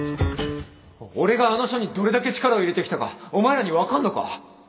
俺があの書にどれだけ力を入れてきたかお前らに分かるのか？